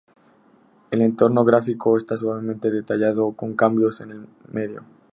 El entorno gráfico está suavemente detallado con cambios en el medio.